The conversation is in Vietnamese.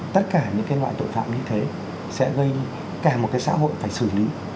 tất cả những cái loại tội phạm như thế sẽ gây cả một cái xã hội phải xử lý